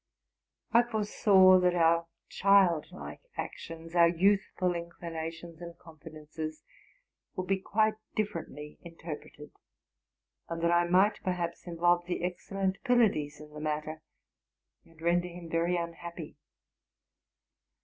I foresaw that our childlike actions, our youthful inclinations and confidences, would be quite differently interpreted, and that I might perhaps involve the excellent Pylades in the matter, and render him very unhappy.